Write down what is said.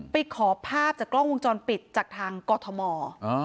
ไปขอภาพจากกล้องวงจรปิดจากทางกอทม